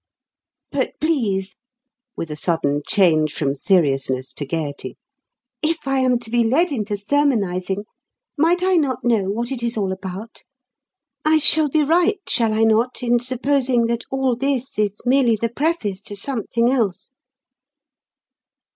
But please!" with a sudden change from seriousness to gaiety, "if I am to be led into sermonizing, might I not know what it is all about? I shall be right, shall I not, in supposing that all this is merely the preface to something else?"